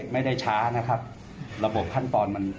ไม่ได้ช้านะครับระบบขั้นตอนมัน